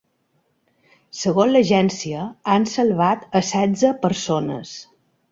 Segons l’agència han salvat a setze persones.